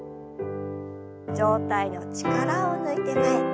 上体の力を抜いて前。